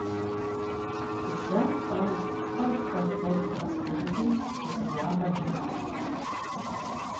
Зэ-тӀэу хъыр хэздзэу къыхэсхыжми зы ягъэ кӀынукъым…